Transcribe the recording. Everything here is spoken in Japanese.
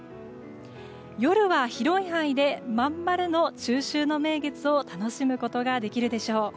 夜は広い範囲で真ん丸の中秋の名月を楽しむことができるでしょう。